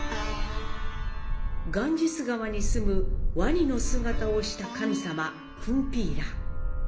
ガンジス河にすむワニの姿をした神様、クンピーラ。